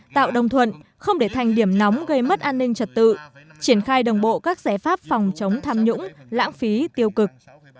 tạo đồng thuận không để thành điểm nóng gây mất an ninh trật tự triển khai đồng bộ các giải pháp phòng chống tham nhũng lãng phí tiêu cực